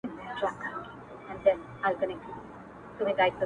د پښتنو ماحول دی دلته تهمتوته ډېر دي,